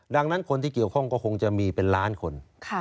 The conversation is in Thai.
ดังนั้นคนที่เกี่ยวข้องก็คงจะมีเป็นล้านคน